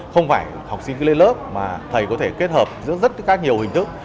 không phải học sinh lên lớp mà thầy có thể kết hợp giữa rất nhiều hình thức